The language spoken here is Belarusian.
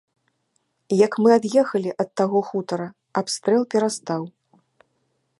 Як мы ад'ехалі ад таго хутара, абстрэл перастаў.